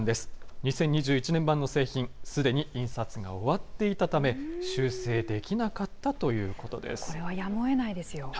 ２０２１年版の製品、すでに印刷が終わっていたため、修正できなかったというこれはやむをえないですよ。